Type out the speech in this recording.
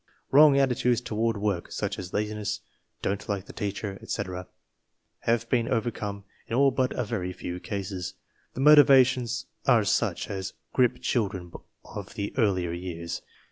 Wrong attitudes toward work, such as laziness, "don't like the teacher," etc., have been overcome in all but a very few cases. The motivations are such as grip children of the earlier years.